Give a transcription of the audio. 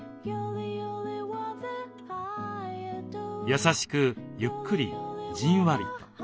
優しくゆっくりじんわりと。